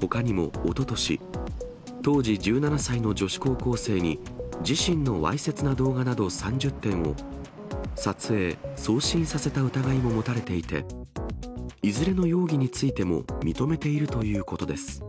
ほかにもおととし、当時１７歳の女子高校生に、自身のわいせつな動画など３０点を撮影・送信させた疑いも持たれていて、いずれの容疑についても認めているということです。